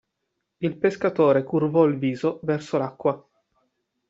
Il pescatore curvò il viso verso l'acqua.